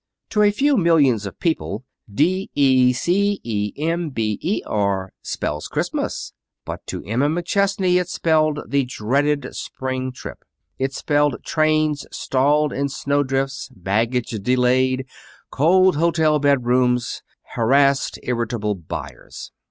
To some few millions of people D e c e m b e r spells Christmas. But to Emma McChesney it spelled the dreaded spring trip. It spelled trains stalled in snowdrifts, baggage delayed, cold hotel bedrooms, harassed, irritable buyers.